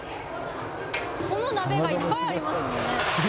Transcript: この鍋がいっぱいありますもんね。